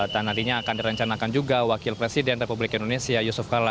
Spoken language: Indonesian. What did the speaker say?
dan nantinya akan direncanakan juga wakil presiden republik indonesia yusuf kala